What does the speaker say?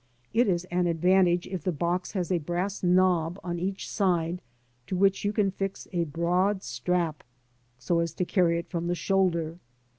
It is an advantage if the box has a brass knob on each side to which you can fix a broad strap so as to carry it from the shoulder.